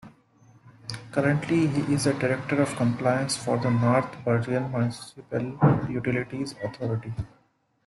Currently he is the Director of Compliance for the North Bergen Municipal Utilities Authority.